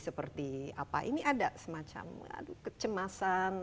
seperti apa ini ada semacam kecemasan